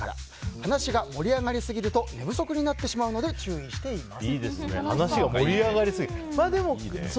話が盛り上がりすぎると寝不足になってしまうので注意しています。